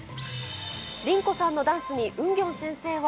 リンコさんのダンスにウンギョン先生は。